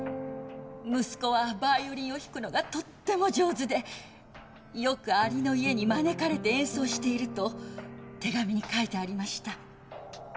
息子はバイオリンを弾くのがとっても上手でよくアリの家に招かれて演奏していると手紙に書いてありました。